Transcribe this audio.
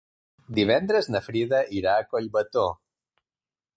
Divendres na Frida irà a Collbató.